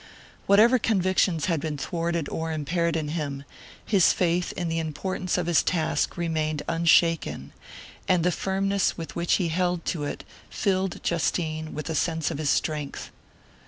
Whatever convictions had been thwarted or impaired in him, his faith in the importance of his task remained unshaken; and the firmness with which he held to it filled Justine with a sense of his strength.